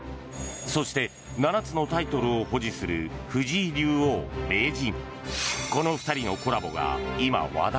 そして７つのタイトルを保持する藤井竜王・名人。